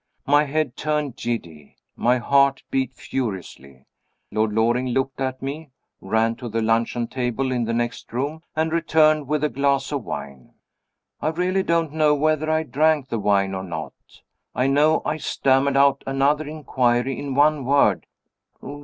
My head turned giddy, my heart beat furiously. Lord Loring looked at me ran to the luncheon table in the next room and returned with a glass of wine. I really don't know whether I drank the wine or not. I know I stammered out another inquiry in one word.